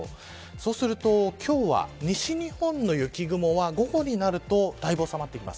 そうすると今日、西日本に雪雲は午後になるとだいぶ収まってきます。